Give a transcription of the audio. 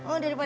oh dari mana